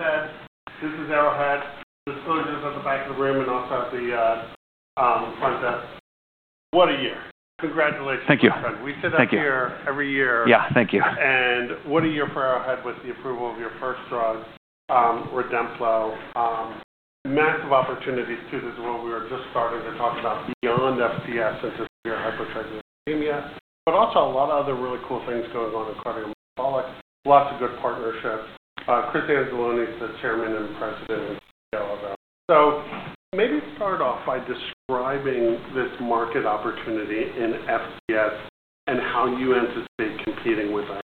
Okay. This is Arrowhead. The analysts at the back of the room and also at the front desk. What a year. Congratulations. Thank you. We sit up here every year. Yeah. Thank you. What a year for Arrowhead with the approval of your first drug, Plozasiran. Massive opportunities too. This is what we were just starting to talk about beyond FCS and severe hypertriglyceridemia, but also a lot of other really cool things going on in cardiometabolic. Lots of good partnerships. Chris Anzalone is the Chairman and President of Arrowhead. So maybe start off by describing this market opportunity in FCS and how you anticipate competing with us.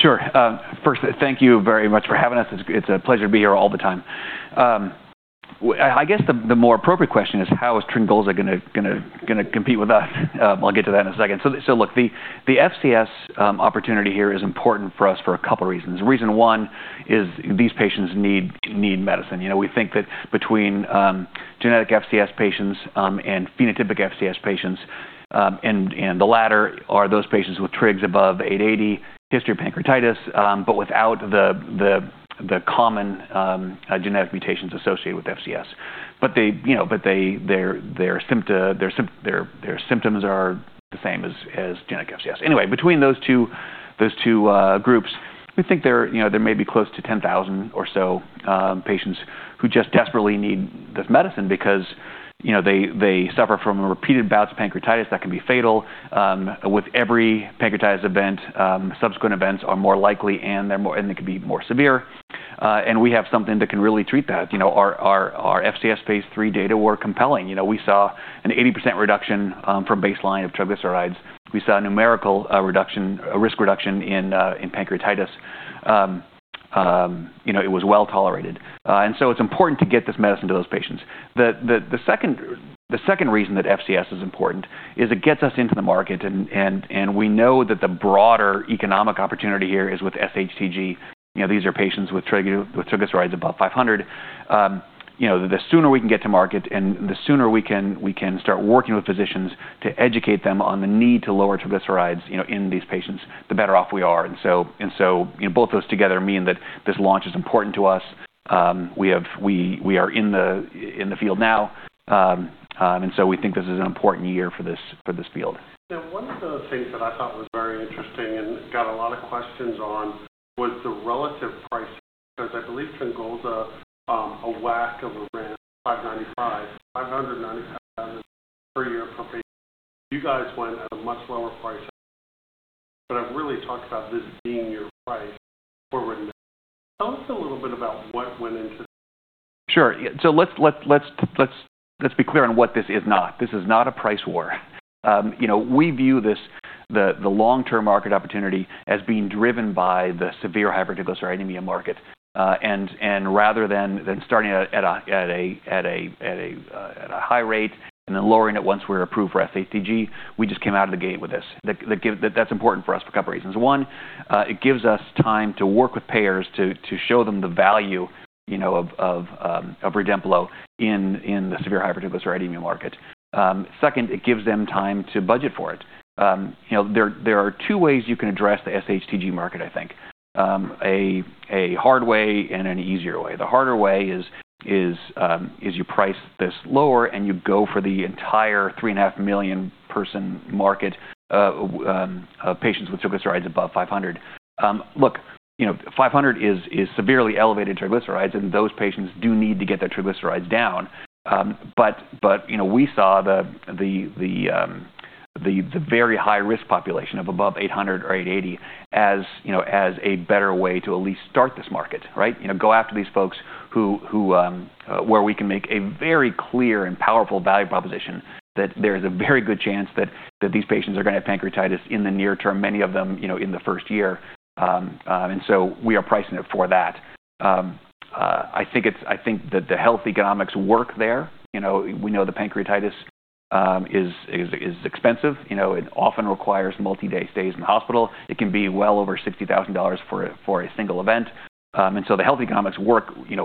Sure. First, thank you very much for having us. It's a pleasure to be here all the time. I guess the more appropriate question is, how is Tryngolza going to compete with us? I'll get to that in a second. So look, the FCS opportunity here is important for us for a couple of reasons. Reason one is these patients need medicine. We think that between genetic FCS patients and phenotypic FCS patients, and the latter are those patients with trigs above 880, history of pancreatitis, but without the common genetic mutations associated with FCS. But their symptoms are the same as genetic FCS. Anyway, between those two groups, we think there may be close to 10,000 or so patients who just desperately need this medicine because they suffer from a repeated bout of pancreatitis that can be fatal. With every pancreatitis event, subsequent events are more likely, and they can be more severe. And we have something that can really treat that. Our FCS phase III data were compelling. We saw an 80% reduction from baseline of triglycerides. We saw a numerical risk reduction in pancreatitis. It was well tolerated. And so it's important to get this medicine to those patients. The second reason that FCS is important is it gets us into the market, and we know that the broader economic opportunity here is with SHTG. These are patients with triglycerides above 500. The sooner we can get to market and the sooner we can start working with physicians to educate them on the need to lower triglycerides in these patients, the better off we are. And so both of those together mean that this launch is important to us. We are in the field now. And so we think this is an important year for this field. Now, one of the things that I thought was very interesting and got a lot of questions on was the relative pricing, because I believe Tryngolza, a whack of around $595,000 per year per patient. You guys went at a much lower price, but I've really talked about this being your price for Redemplo. Tell us a little bit about what went into this. Sure, so let's be clear on what this is not. This is not a price war. We view the long-term market opportunity as being driven by the severe hypertriglyceridemia market, and rather than starting at a high rate and then lowering it once we're approved for FCS, we just came out of the gate with this. That's important for us for a couple of reasons. One, it gives us time to work with payers to show them the value of Redemplo in the severe hypertriglyceridemia market. Second, it gives them time to budget for it. There are two ways you can address the SHTG market, I think. A hard way and an easier way. The harder way is you price this lower and you go for the entire 3.5 million-person market of patients with triglycerides above 500. Look, 500 is severely elevated triglycerides, and those patients do need to get their triglycerides down. But we saw the very high risk population of above 800 or 880 as a better way to at least start this market, right? Go after these folks where we can make a very clear and powerful value proposition that there is a very good chance that these patients are going to have pancreatitis in the near term, many of them in the first year. And so we are pricing it for that. I think that the health economics work there. We know the pancreatitis is expensive. It often requires multi-day stays in the hospital. It can be well over $60,000 for a single event. And so the health economics work in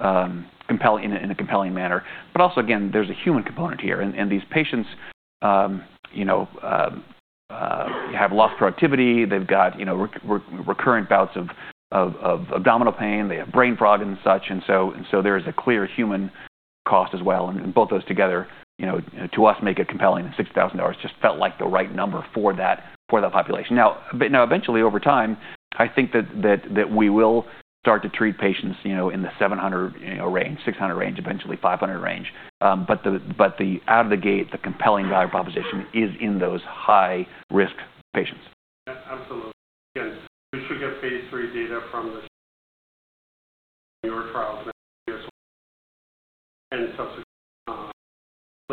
a compelling manner. But also, again, there's a human component here. And these patients have lost productivity. They've got recurrent bouts of abdominal pain. They have brain fog and such, and so there is a clear human cost as well, and both of those together, to us, make it compelling. $60,000 just felt like the right number for that population. Now, eventually, over time, I think that we will start to treat patients in the 700 range, 600 range, eventually 500 range, but out of the gate, the compelling value proposition is in those high-risk patients. Absolutely. Again, we should get phase III data from your trials next year and subsequently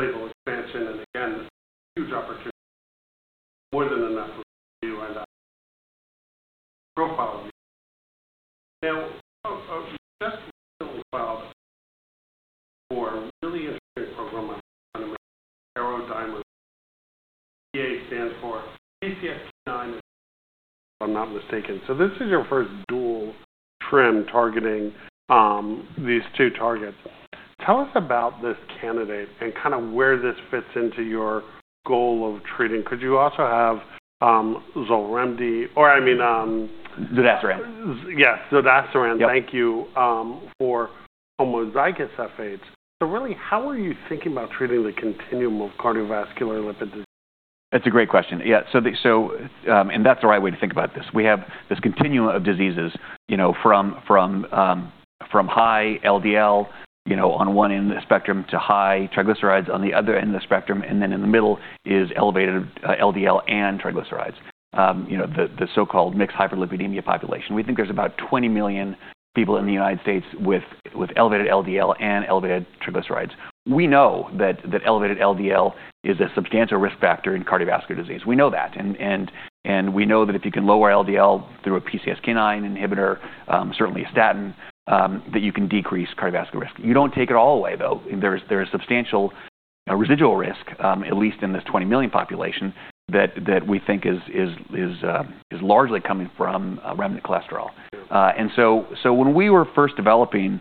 expansion. And again, huge opportunity, more than enough for you and profile you. Now, just recently filed for a really interesting program, the PCSK9 ApoC3 dimer, if I'm not mistaken. So this is your first dual dimer targeting these two targets. Tell us about this candidate and kind of where this fits into your goal of treating. Could you also have Zodasiran or, I mean. Zodasiran. Yes. Zodasiran, thank you for homozygous HoFH. So really, how are you thinking about treating the continuum of cardiovascular lipid disease? That's a great question. Yeah. And that's the right way to think about this. We have this continuum of diseases from high LDL on one end of the spectrum to high triglycerides on the other end of the spectrum. And then in the middle is elevated LDL and triglycerides, the so-called mixed hyperlipidemia population. We think there's about 20 million people in the United States with elevated LDL and elevated triglycerides. We know that elevated LDL is a substantial risk factor in cardiovascular disease. We know that. And we know that if you can lower LDL through a PCSK9 inhibitor, certainly a statin, that you can decrease cardiovascular risk. You don't take it all away, though. There is substantial residual risk, at least in this 20 million population, that we think is largely coming from remnant cholesterol. And so when we were first developing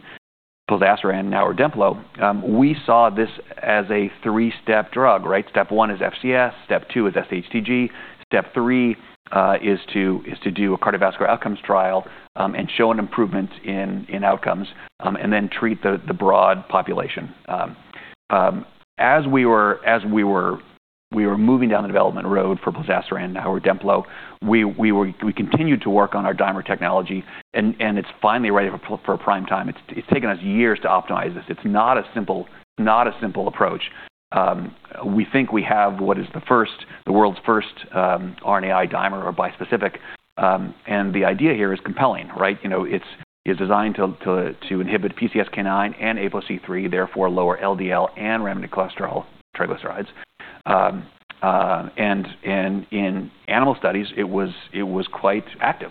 Zodasiran and now Plozasiran, we saw this as a three-step drug, right? Step one is FCS, step two is SHTG, step three is to do a cardiovascular outcomes trial and show an improvement in outcomes, and then treat the broad population. As we were moving down the development road for Zodasiran and now Plozasiran, we continued to work on our dimer technology. And it's finally ready for prime time. It's taken us years to optimize this. It's not a simple approach. We think we have what is the world's first RNAi dimer or bispecific. And the idea here is compelling, right? It's designed to inhibit PCSK9 and ApoC3, therefore lower LDL and remnant cholesterol triglycerides. And in animal studies, it was quite active.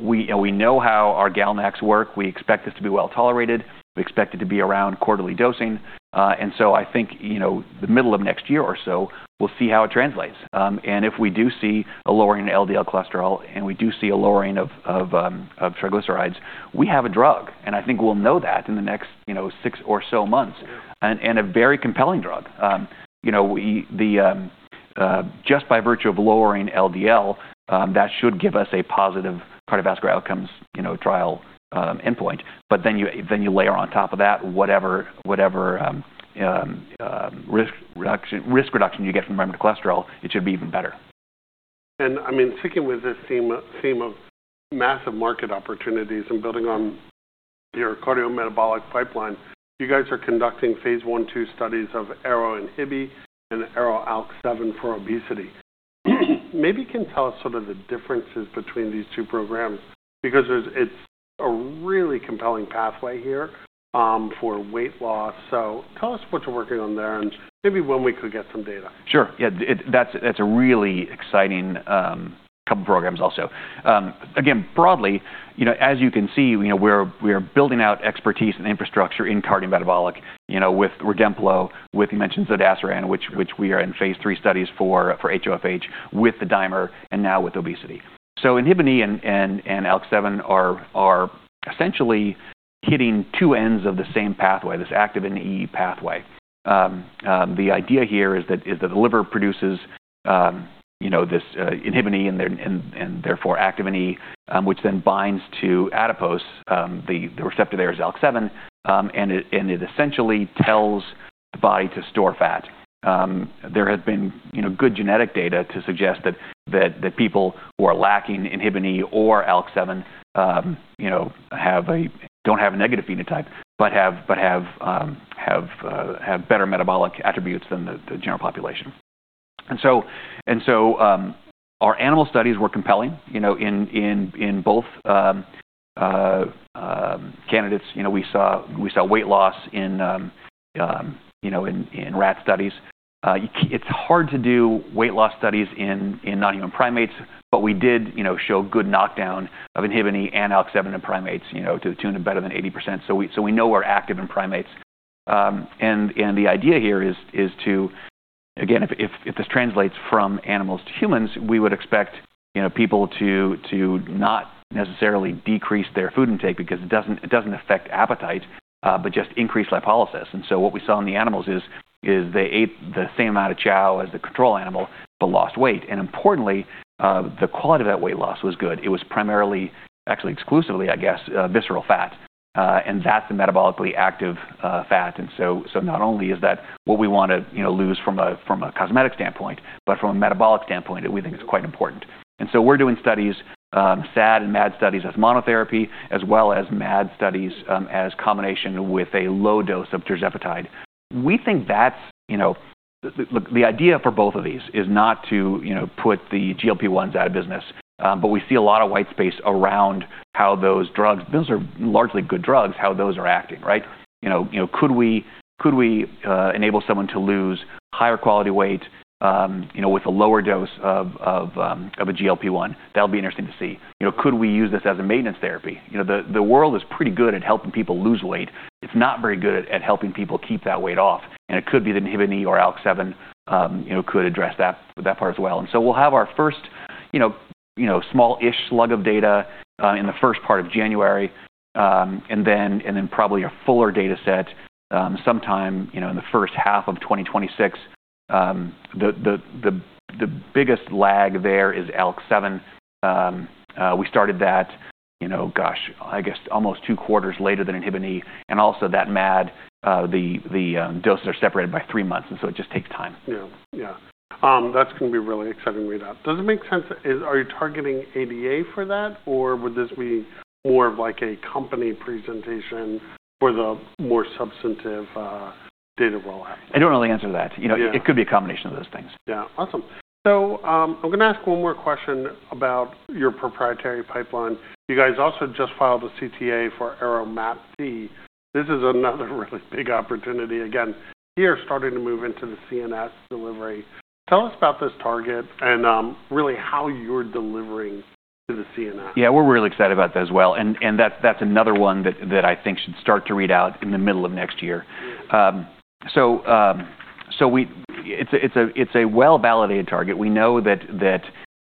We know how our GalNAc work. We expect this to be well tolerated. We expect it to be around quarterly dosing. And so I think the middle of next year or so, we'll see how it translates. And if we do see a lowering in LDL cholesterol and we do see a lowering of triglycerides, we have a drug. And I think we'll know that in the next six or so months and a very compelling drug. Just by virtue of lowering LDL, that should give us a positive cardiovascular outcomes trial endpoint. But then you layer on top of that whatever risk reduction you get from remnant cholesterol. It should be even better. I mean, sticking with this theme of massive market opportunities and building on your cardiometabolic pipeline, you guys are conducting phase I/II studies of ARO-INHBE and ARO-ALK7 for obesity. Maybe you can tell us sort of the differences between these two programs because it's a really compelling pathway here for weight loss. Tell us what you're working on there and maybe when we could get some data. Sure. Yeah. That's a really exciting couple of programs also. Again, broadly, as you can see, we are building out expertise and infrastructure in cardiometabolic with Plozasiran, with you mentioned Zodasiran, which we are in phase three studies for HoFH with the dimer and now with obesity. So INHBE and ALK7 are essentially hitting two ends of the same pathway, this activin E pathway. The idea here is that the liver produces this INHBE and therefore activin E, which then binds to adipose. The receptor there is ALK7, and it essentially tells the body to store fat. There has been good genetic data to suggest that people who are lacking INHBE or ALK7 don't have a negative phenotype, but have better metabolic attributes than the general population. And so our animal studies were compelling in both candidates. We saw weight loss in rat studies. It's hard to do weight loss studies in non-human primates, but we did show good knockdown of INHBE and ALK7 in primates to the tune of better than 80%. So we know we're active in primates. And the idea here is to, again, if this translates from animals to humans, we would expect people to not necessarily decrease their food intake because it doesn't affect appetite, but just increase lipolysis. And so what we saw in the animals is they ate the same amount of chow as the control animal, but lost weight. And importantly, the quality of that weight loss was good. It was primarily, actually exclusively, I guess, visceral fat. And that's the metabolically active fat. And so not only is that what we want to lose from a cosmetic standpoint, but from a metabolic standpoint, we think it's quite important. And so we're doing studies, SAD and MAD studies as monotherapy, as well as MAD studies as combination with a low dose of Tirzepatide. We think that's the idea for both of these is not to put the GLP-1s out of business, but we see a lot of white space around how those drugs, those are largely good drugs, how those are acting, right? Could we enable someone to lose higher quality weight with a lower dose of a GLP-1? That'll be interesting to see. Could we use this as a maintenance therapy? The world is pretty good at helping people lose weight. It's not very good at helping people keep that weight off. And it could be that INHBE or ALK7 could address that part as well. And so we'll have our first small-ish slug of data in the first part of January, and then probably a fuller data set sometime in the first half of 2026. The biggest lag there is ALK7. We started that, gosh, I guess almost two quarters later than INHBE. And also that MAD, the doses are separated by three months. And so it just takes time. Yeah. Yeah. That's going to be a really exciting readout. Does it make sense? Are you targeting ADA for that, or would this be more of like a company presentation for the more substantive data rollout? I don't really answer that. It could be a combination of those things. Yeah. Awesome. So I'm going to ask one more question about your proprietary pipeline. You guys also just filed a CTA for ARO-MAPT. This is another really big opportunity. Again, here starting to move into the CNS delivery. Tell us about this target and really how you're delivering to the CNS. Yeah. We're really excited about that as well. And that's another one that I think should start to read out in the middle of next year. So it's a well-validated target. We know that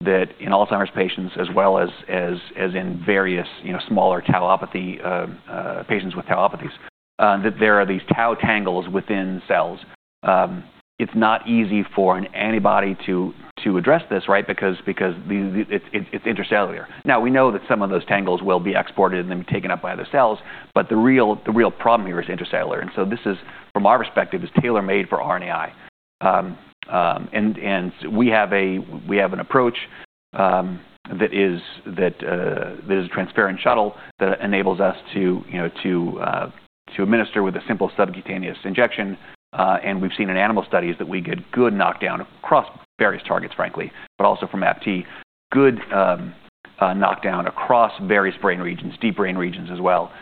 in Alzheimer's patients, as well as in various other patients with tauopathies, that there are these tau tangles within cells. It's not easy for an antibody to address this, right? Because it's intracellular. Now, we know that some of those tangles will be exported and then be taken up by other cells, but the real problem here is intracellular. And so this is, from our perspective, tailor-made for RNAi. And we have an approach that is a TRiM shuttle that enables us to administer with a simple subcutaneous injection. We've seen in animal studies that we get good knockdown across various targets, frankly, but also from ARO-MAPT, good knockdown across various brain regions, deep brain regions as well.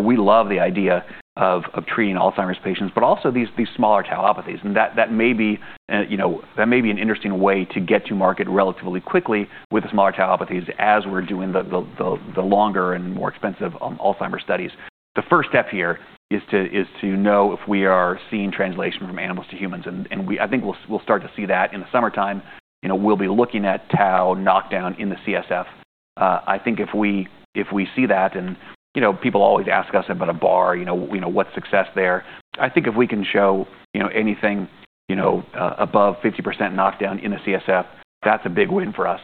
We love the idea of treating Alzheimer's patients, but also these smaller tauopathies. That may be an interesting way to get to market relatively quickly with the smaller tauopathies as we're doing the longer and more expensive Alzheimer's studies. The first step here is to know if we are seeing translation from animals to humans. I think we'll start to see that in the summertime. We'll be looking at tau knockdown in the CSF. I think if we see that, and people always ask us about a bar, what's success there. I think if we can show anything above 50% knockdown in the CSF, that's a big win for us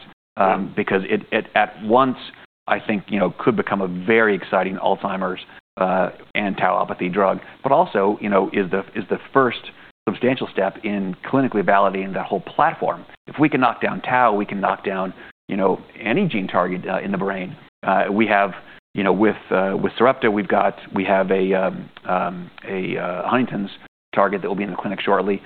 because ARO-MAPT, I think, could become a very exciting Alzheimer's and tauopathy drug, but also is the first substantial step in clinically validating that whole platform. If we can knock down tau, we can knock down any gene target in the brain. With Sarepta, we have a Huntington's target that will be in the clinic shortly.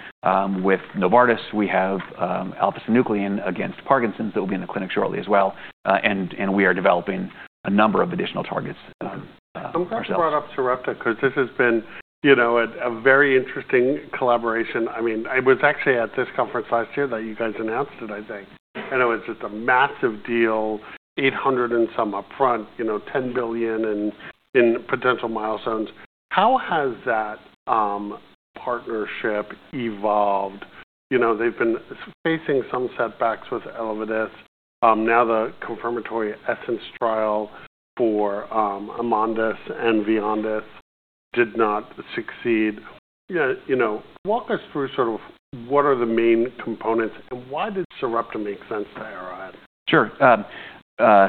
With Novartis, we have alpha-synuclein against Parkinson's that will be in the clinic shortly as well. And we are developing a number of additional targets. Some questions brought up Sarepta because this has been a very interesting collaboration. I mean, I was actually at this conference last year that you guys announced it, I think. And it was just a massive deal, $800 and some upfront, $10 billion in potential milestones. How has that partnership evolved? They've been facing some setbacks with Elevidys. Now, the confirmatory ESSENCE trial for Amondys and Vyondys did not succeed. Walk us through sort of what are the main components and why did Sarepta make sense to Arrowhead? Sure.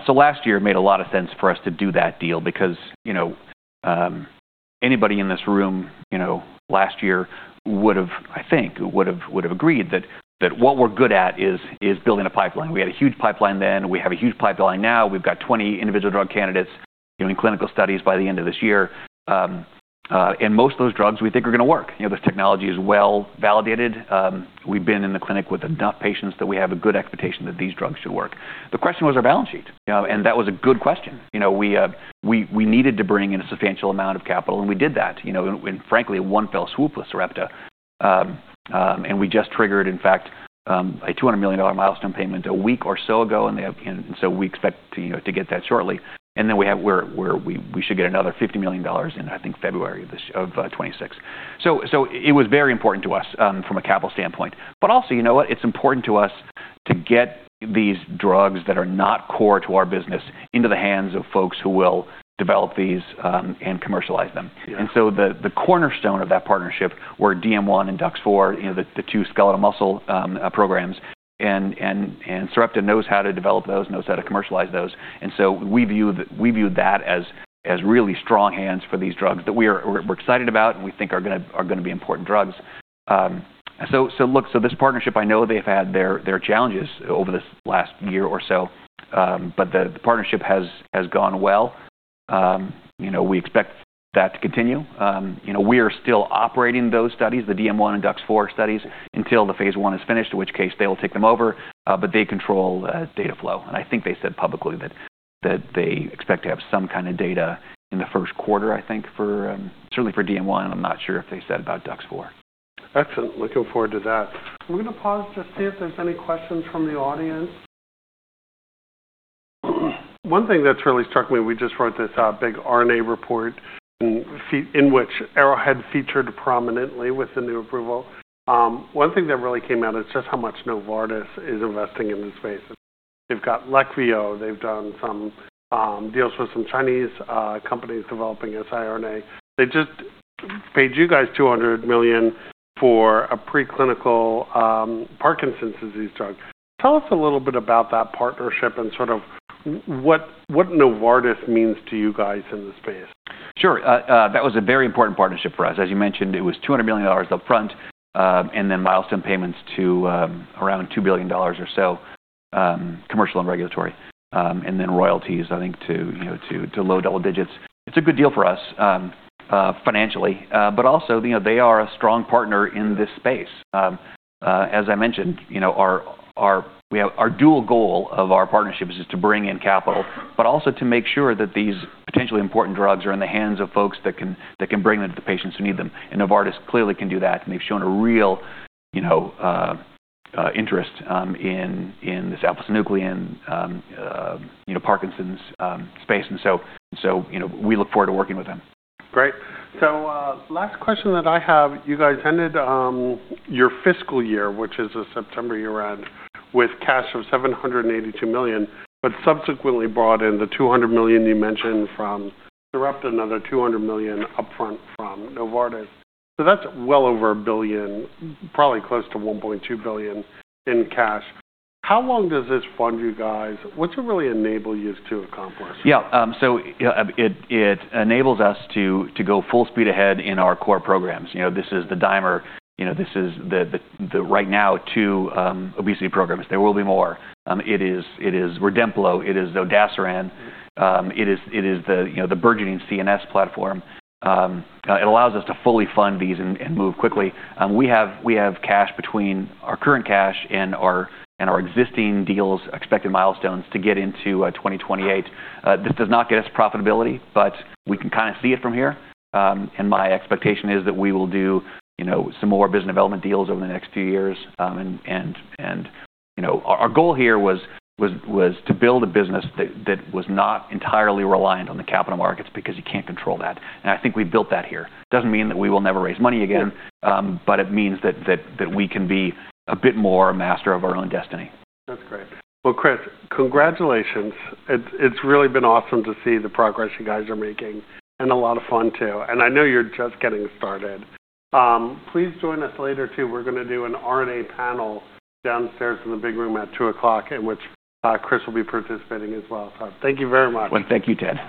So last year made a lot of sense for us to do that deal because anybody in this room last year would have, I think, agreed that what we're good at is building a pipeline. We had a huge pipeline then. We have a huge pipeline now. We've got 20 individual drug candidates in clinical studies by the end of this year. And most of those drugs we think are going to work. This technology is well validated. We've been in the clinic with enough patients that we have a good expectation that these drugs should work. The question was our balance sheet. And that was a good question. We needed to bring in a substantial amount of capital. And we did that. And frankly, one fell swoop with Sarepta. And we just triggered, in fact, a $200 million milestone payment a week or so ago. And so we expect to get that shortly. And then we should get another $50 million in, I think, February of 2026. So it was very important to us from a capital standpoint. But also, you know what? It's important to us to get these drugs that are not core to our business into the hands of folks who will develop these and commercialize them. And so the cornerstone of that partnership were DM1 and DUX4, the two skeletal muscle programs. And Sarepta knows how to develop those, knows how to commercialize those. And so we view that as really strong hands for these drugs that we're excited about and we think are going to be important drugs. So look, so this partnership, I know they've had their challenges over this last year or so, but the partnership has gone well. We expect that to continue. We are still operating those studies, the DM1 and DUX4 studies, until the phase I is finished, in which case they will take them over, but they control data flow, and I think they said publicly that they expect to have some kind of data in the first quarter, I think, certainly for DM1, and I'm not sure if they said about DUX4. Excellent. Looking forward to that. I'm going to pause to see if there's any questions from the audience. One thing that's really struck me, we just wrote this big RNA report in which Arrowhead featured prominently with the new approval. One thing that really came out is just how much Novartis is investing in this space. They've got Leqvio. They've done some deals with some Chinese companies developing siRNA. They just paid you guys $200 million for a preclinical Parkinson's disease drug. Tell us a little bit about that partnership and sort of what Novartis means to you guys in this space. Sure. That was a very important partnership for us. As you mentioned, it was $200 million upfront and then milestone payments to around $2 billion or so, commercial and regulatory. And then royalties, I think, to low double digits. It's a good deal for us financially, but also they are a strong partner in this space. As I mentioned, our dual goal of our partnership is to bring in capital, but also to make sure that these potentially important drugs are in the hands of folks that can bring them to the patients who need them. And Novartis clearly can do that. And they've shown a real interest in this alpha-synuclein Parkinson's space. And so we look forward to working with them. Great. So last question that I have, you guys ended your fiscal year, which is a September year-end, with cash of $782 million, but subsequently brought in the $200 million you mentioned from Sarepta, another $200 million upfront from Novartis. So that's well over a billion, probably close to $1.2 billion in cash. How long does this fund you guys? What does it really enable you to accomplish? Yeah. So it enables us to go full speed ahead in our core programs. This is the dimer. This is the right now two obesity programs. There will be more. It is Plozasiran. It is the Zodasiran. It is the burgeoning CNS platform. It allows us to fully fund these and move quickly. We have cash between our current cash and our existing deals, expected milestones to get into 2028. This does not get us profitability, but we can kind of see it from here, and my expectation is that we will do some more business development deals over the next few-years, and our goal here was to build a business that was not entirely reliant on the capital markets because you can't control that, and I think we built that here. It doesn't mean that we will never raise money again, but it means that we can be a bit more a master of our own destiny. That's great. Well, Chris, congratulations. It's really been awesome to see the progress you guys are making and a lot of fun too. And I know you're just getting started. Please join us later too. We're going to do an RNA panel downstairs in the big room at 2:00 P.M., in which Chris will be participating as well. So thank you very much. And thank you too.